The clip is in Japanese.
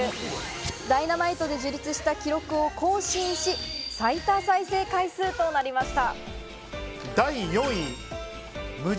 『Ｄｙｎａｍｉｔｅ』で樹立した記録を更新し、最多再生回数となりました。